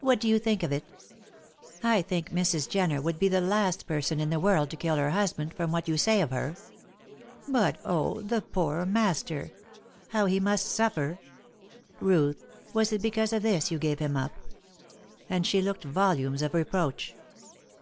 "What do you think of it?" "I think Mrs. Jenner would be the last person in the world to kill her husband, from what you say of her. But, oh, the poor Master! How he must suffer! Ruth, was it because of this you gave him up?" And she looked volumes of reproach.